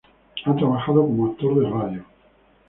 Ha trabajado como actor de radio.